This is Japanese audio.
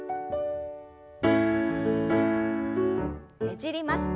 ねじります。